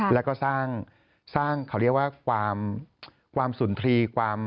แล้วก็สร้างเขาเรียกว่าความสุนทรีความ